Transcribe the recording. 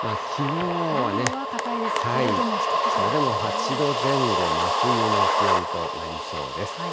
よりは高いですけれども、１それでも８度前後、真冬の気温となりそうです。